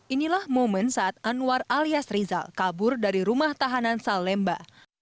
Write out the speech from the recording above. inilah momen saat anwar alias rizal kabur dari rumah tahanan salemba